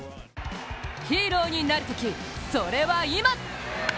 ヒーローになるとき、それは今！